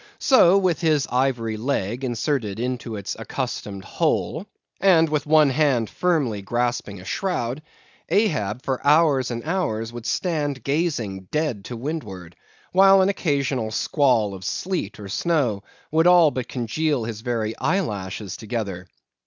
So, with his ivory leg inserted into its accustomed hole, and with one hand firmly grasping a shroud, Ahab for hours and hours would stand gazing dead to windward, while an occasional squall of sleet or snow would all but congeal his very eyelashes together.